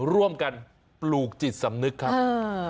ร่วมกันปลูกจิตสำนึกครับ